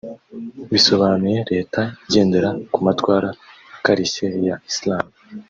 bisobanuye “Leta igendera ku matwara akarishye ya Islam”